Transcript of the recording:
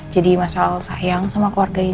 jadi masalah sayang sama keluarganya